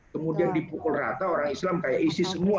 kemudian dipukul rata orang islam kayak isis semua